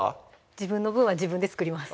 自分の分は自分で作ります